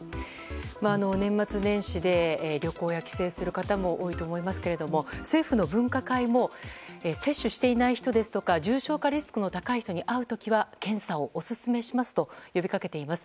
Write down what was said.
年末年始で旅行や帰省する方も多いと思いますが政府の分科会も接種していない人や重症化リスクの高い人に会う時は検査をオススメしますと呼びかけています。